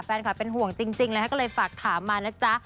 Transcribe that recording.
แฟนคลับเป็นห่วงจริงเลยค่ะก็เลยฝากถามมานะจ๊ะ